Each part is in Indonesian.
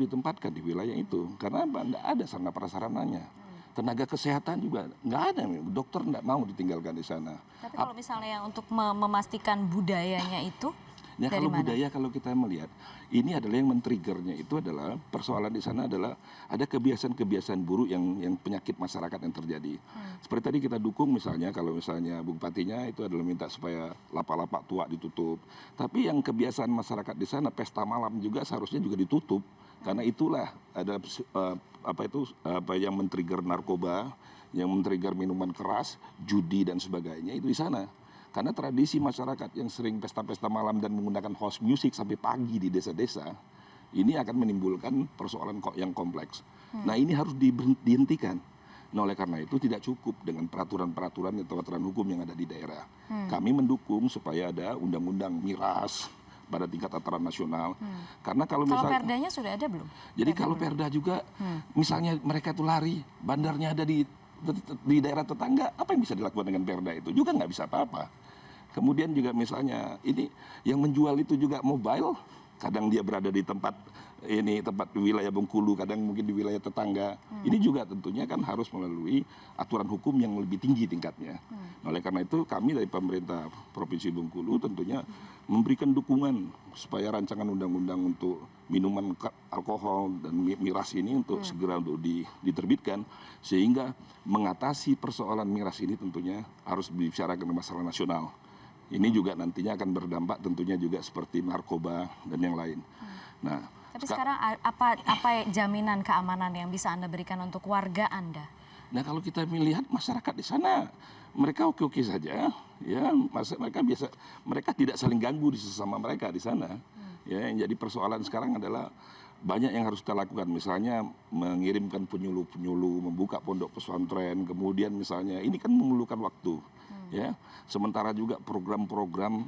terutama saya juga mendengar informasi bahwa ketika mencari para pelaku itu agak sulit karena satu sama lain keluarga satu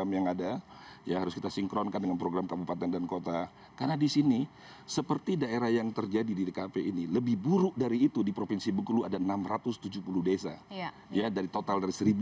sama lain saling kenal